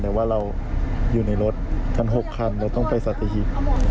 แต่ว่าเราอยู่ในรถทั้ง๖คันแล้วต้องไปสัตวิธี